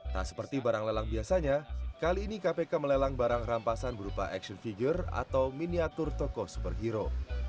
tak seperti barang lelang biasanya kali ini kpk melelang barang rampasan berupa action figure atau miniatur toko superhero